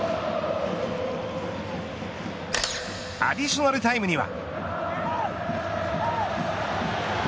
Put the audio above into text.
アディショナルタイムには。